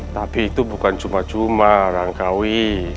tapi itu bukan cuma cuma rangkai